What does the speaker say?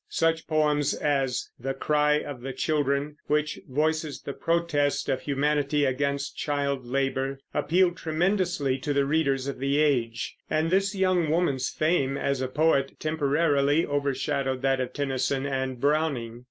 Such poems as "The Cry of the Children," which voices the protest of humanity against child labor, appealed tremendously to the readers of the age, and this young woman's fame as a poet temporarily overshadowed that of Tennyson and Browning.